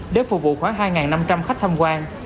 để phục vụ khoảng hai năm trăm linh khách tham quan